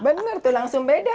bener tuh langsung beda